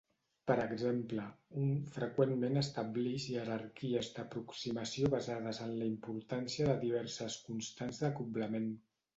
Per exemple, un freqüentment establix jerarquies d'aproximació basades en la importància de diverses constants d'acoblament.